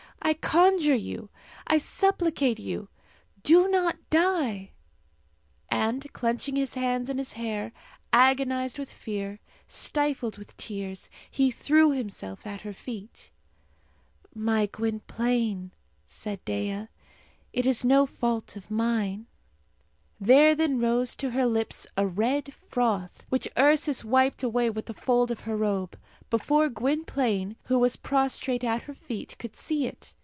I conjure you! I supplicate you! Do not die!" And clenching his hands in his hair, agonized with fear, stifled with tears, he threw himself at her feet. "My Gwynplaine," said Dea, "it is no fault of mine." There then rose to her lips a red froth, which Ursus wiped away with the fold of her robe, before Gwynplaine, who was prostrate at her feet, could see it.